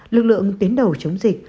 lực lượng tuyến đầu chống dịch